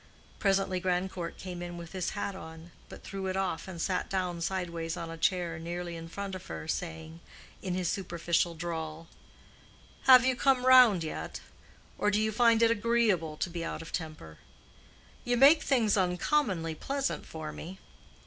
Presently Grandcourt came in with his hat on, but threw it off and sat down sideways on a chair nearly in front of her, saying, in his superficial drawl, "Have you come round yet? or do you find it agreeable to be out of temper. You make things uncommonly pleasant for me."